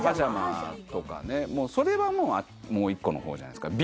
それはもうもう一個の方じゃないですか？